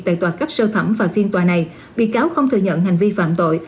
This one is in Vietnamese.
tại tòa cấp sơ thẩm và phiên tòa này bị cáo không thừa nhận hành vi phạm tội